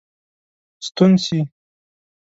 ستون سي.